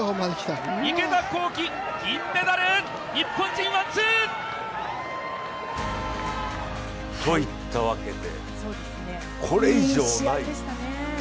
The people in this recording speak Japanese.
池田向希、銀メダル！日本人、ワンツー！といったわけでこれ以上ない。